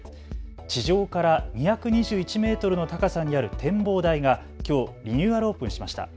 地上から２２１メートルの高さにある展望台がきょうリニューアルオープンしました。